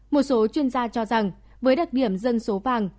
một số chuyên gia cho rằng với đặc điểm dân số vàng